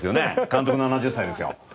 監督７０歳ですよ。